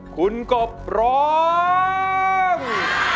คุณกบร้อง